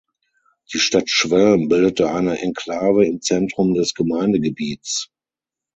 Die Stadt Schwelm bildete eine Enklave im Zentrum des Gemeindegebiets.